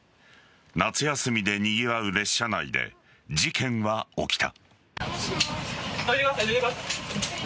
夏休みでにぎわう列車内で事件は起きた。